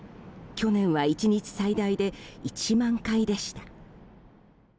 去年は１日最大で１万回でした。